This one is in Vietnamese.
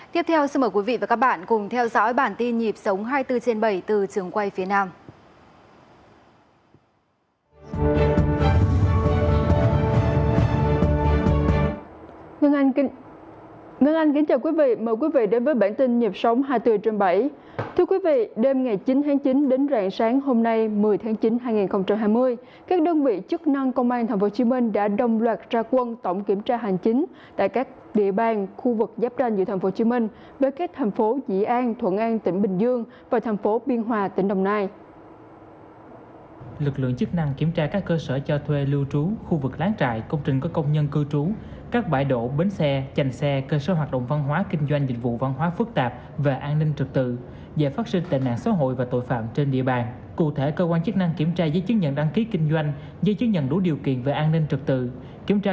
tiếp theo xin mời quý vị và các bạn cùng theo dõi bản tin nhịp sống hai mươi bốn trên bảy từ trường quay phía nam